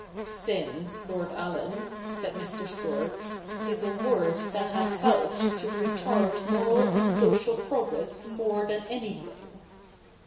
' Sin, Lord Allen,' said ]\Ir. Storks, ' is a word that has helped to retard moral and social progress more than anything.